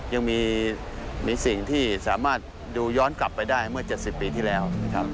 ยังมีสิ่งที่สามารถดูย้อนกลับไปได้เมื่อ๗๐ปีที่แล้วนะครับ